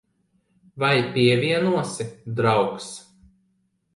Vai pievienosi, draugs?